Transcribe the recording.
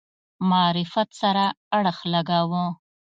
معرفت سره اړخ لګاوه.